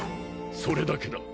それだけだ。